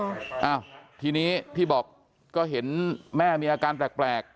อ้าวทีนี้ที่บอกก็เห็นแม่มีอาการแปลก